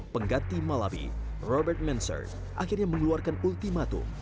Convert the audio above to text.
pengganti malawi robert manser akhirnya mengeluarkan ultimatum